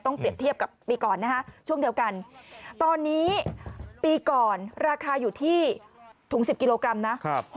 เปรียบเทียบกับปีก่อนนะฮะช่วงเดียวกันตอนนี้ปีก่อนราคาอยู่ที่ถุง๑๐กิโลกรัมนะ